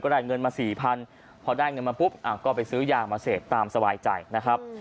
ได้เงินมาสี่พันพอได้เงินมาปุ๊บก็ไปซื้อยามาเสพตามสบายใจนะครับ